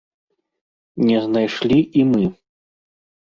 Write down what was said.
Не знайшлі і мы.